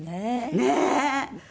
ねえ！